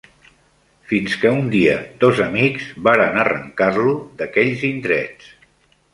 Fins que un dia dos amics varen arrencar-lo d'aquells indrets.